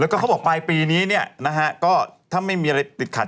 แล้วก็เขาบอกปลายปีนี้เนี่ยนะฮะก็ถ้าไม่มีอะไรติดขัด